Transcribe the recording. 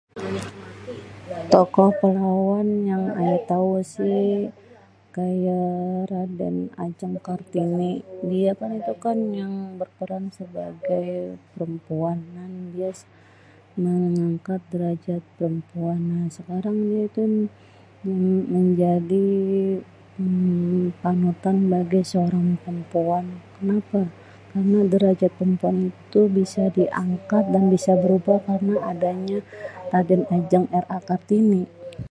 Tokoh perawan yang ayé tau si, kaye Raden Ajeng Kartini, dié kan tuh kan yang berperan sebagai perempuan terus mengangkat derajat perempuan yang sekarang mungkin yang jadi uhm panutan bagi seorang perempuan. Kenape? karena derajat perempuan tuh bisa di angkat dan bisa berubah karna adanya Raden Ajeng Kartini.